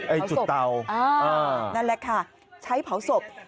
ไอ้จุดเตานั่นแหละค่ะใช้เผาศพ